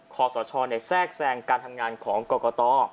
ขอสชแทรกแทรงการทำงานของกรกต